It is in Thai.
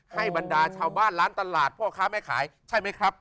บรรดาชาวบ้านร้านตลาดพ่อค้าแม่ขายใช่ไหมครับ